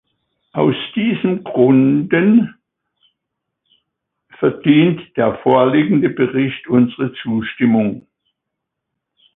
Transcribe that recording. Aus diesen Gründen verdient der vorliegende Bericht unsere Zustimmung.